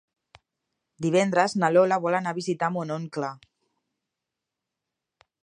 Divendres na Lola vol anar a visitar mon oncle.